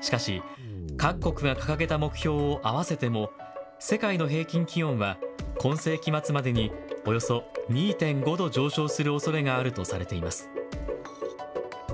しかし、各国が掲げた目標を合わせても世界の平均気温は今世紀末までにおよそ２．５度上昇するおそれがあるとされています。